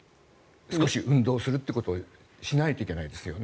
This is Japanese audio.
少し運動することをしないといけないですね。